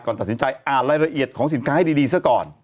ตัดสินใจอ่านรายละเอียดของสินค้าให้ดีซะก่อน